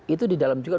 itu di dalam juga